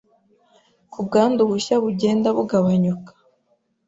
ko ubwandu bushya bugenda bugabanyuka